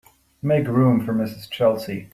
Make room for Mrs. Chelsea.